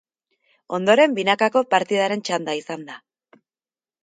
Ondoren, binakako partidaren txanda izan da.